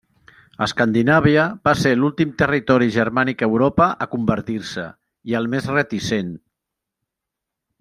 Escandinàvia va ser l'últim territori germànic a Europa a convertir-se i el més reticent.